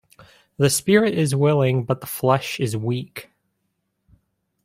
The spirit is willing but the flesh is weak.